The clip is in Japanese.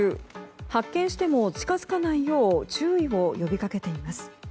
発見しても近づかないよう注意を呼びかけています。